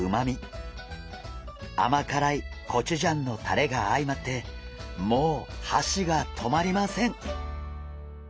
甘辛いコチュジャンのタレがあいまってもうはしが止まりません！